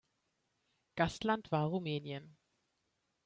Gastland war Rumänien.